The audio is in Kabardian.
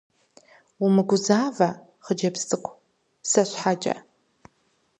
Умыгузавэ, хъыджэбз цӀыкӀу, сэ щхьэкӀэ.